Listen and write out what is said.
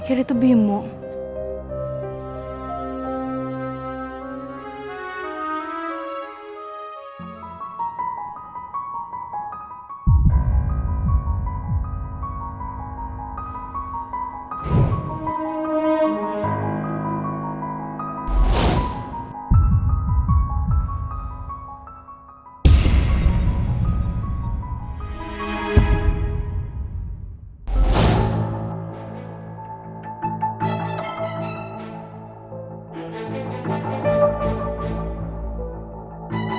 kamu juga bisa